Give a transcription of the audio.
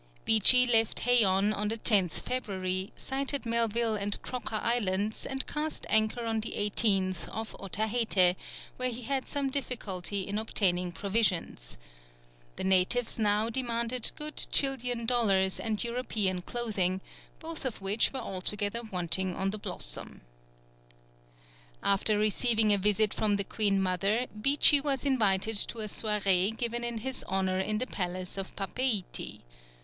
Beechey left Heïon on the 10th February, sighted Melville and Croker Islands, and cast anchor on the 18th off Otaheite, where he had some difficulty in obtaining provisions. The natives now demanded good Chilian dollars and European clothing, both of which were altogether wanting on the Blossom. After receiving a visit from the queen mother, Beechey was invited to a soirée given in his honour in the palace at Papeïti.